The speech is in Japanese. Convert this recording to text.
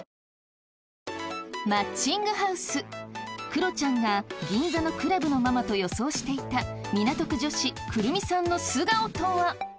クロちゃんが銀座のクラブのママと予想していた港区女子くるみさんの素顔とは？